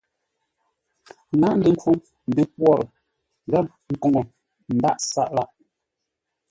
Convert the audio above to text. Lǎghʼ ngəkhwoŋ, ndəpwor gháp nkoŋə ndǎghʼ sáʼ lâʼ.